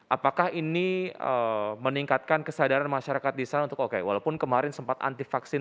apakah ini meningkatkan kesadaran masyarakat di sana untuk oke walaupun kemarin sempat anti vaksin